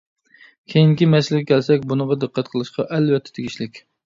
كېيىنكى مەسىلىگە كەلسەك، بۇنىڭغا دىققەت قىلىشقا ئەلۋەتتە تېگىشلىك.